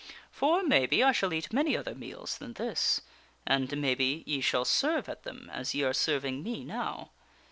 For maybe, I shall eat many other meals than this. And, maybe, ye shall serve at them as ye are serving me now."